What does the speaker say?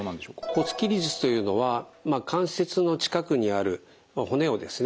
骨切り術というのは関節の近くにある骨をですね